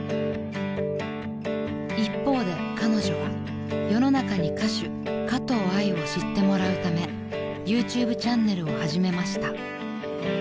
［一方で彼女は世の中に歌手かとうあいを知ってもらうためＹｏｕＴｕｂｅチャンネルを始めました］